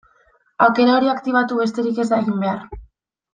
Aukera hori aktibatu besterik ez da egin behar.